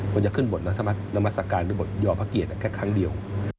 มันจะขึ้นบทนมัศกาลหรือบทยอพเกียร์แค่ครั้งเดียว